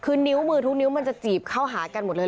คือนิ้วมือทุกนิ้วมันจะจีบเข้าหากันหมดเลย